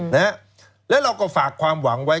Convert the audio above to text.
และเราก็ฝากความหวังไว้